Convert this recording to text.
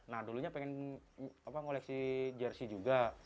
nah dulunya pengen koleksi jersey juga